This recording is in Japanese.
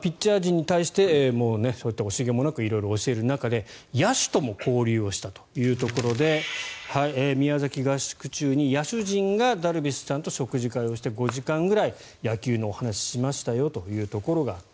ピッチャー陣に対して惜しげもなく色々教える中で野手とも交流をしたというところで宮崎合宿中に野手陣がダルビッシュさんと食事会をして５時間ぐらい野球のお話をしましたよというところがあった。